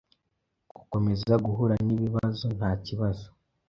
Gukomeza guhura nibibazo ntakibazo